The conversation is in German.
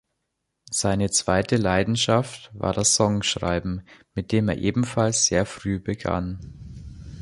Seine zweite Leidenschaft war das Songschreiben, mit dem er ebenfalls sehr früh begann.